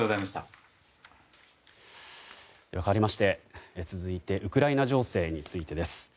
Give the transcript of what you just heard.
かわりまして続いてウクライナ情勢についてです。